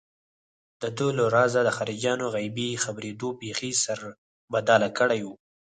دده له رازه د خارجيانو غيبي خبرېدو بېخي سربداله کړی و.